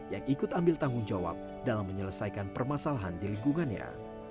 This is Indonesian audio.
yang ikut ambil tanggung jawab dalam menyelesaikan permasalahan di lingkungannya